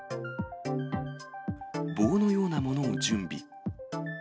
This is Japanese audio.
棒のようなものを準備。